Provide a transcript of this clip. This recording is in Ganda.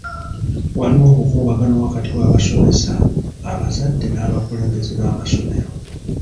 Waliwo obukuubagano wakati w'abasomesa, abazadde n'abakulembeze b'amasomero.